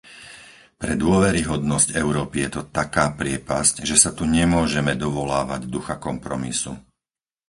Pre dôveryhodnosť Európy je to taká priepasť, že sa tu nemôžeme dovolávať ducha kompromisu!